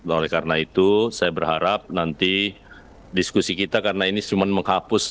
oleh karena itu saya berharap nanti diskusi kita karena ini cuma menghapus